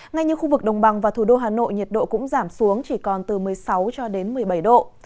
ngay như khu vực đồng bằng và thủ đô hà nội nhiệt độ cũng giảm xuống chỉ còn từ một mươi sáu cho đến một mươi bảy độ